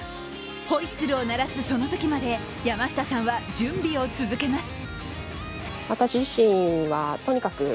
ホイッスルを鳴らすそのときまで山下さんは準備を続けます。